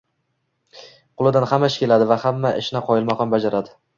Qo‘lidan hamma ish keladi va hamma ishni qoyilmaqom bajaradi